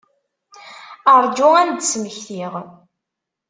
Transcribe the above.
Rju ad m-d-smektiɣ.